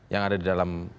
yang ada di dalam